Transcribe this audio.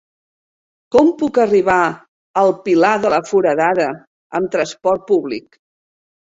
Com puc arribar al Pilar de la Foradada amb transport públic?